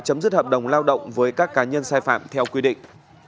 chấm dứt hợp đồng lao động với các cá nhân sai phạm theo quy định